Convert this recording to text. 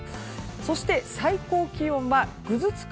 そして最高気温はぐずつく